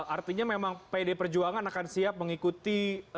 artinya memang pd perjuangan akan siap mengikuti